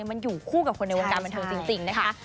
มันอยู่คู่กับคนในวงการบันเทิงจริงนะคะ